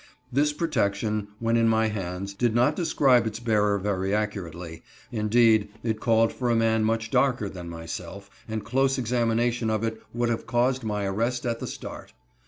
This protection, when in my hands, did not describe its bearer very accurately. Indeed, it called for a man much darker than myself, and close examination of it would have caused my arrest at the start.